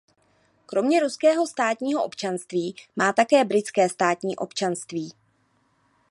Kromě ruského státního občanství má také britské státní občanství.